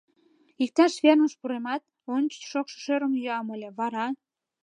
Иктаж фермыш пуремат, ончыч шокшо шӧрым йӱам ыле, вара...